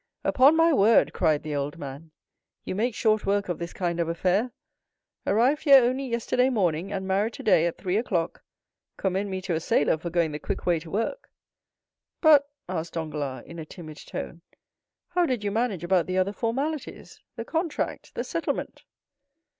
"Upon my word," cried the old man, "you make short work of this kind of affair. Arrived here only yesterday morning, and married today at three o'clock! Commend me to a sailor for going the quick way to work!" "But," asked Danglars, in a timid tone, "how did you manage about the other formalities—the contract—the settlement?"